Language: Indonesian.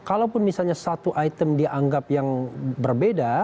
kalaupun misalnya satu item dianggap yang berbeda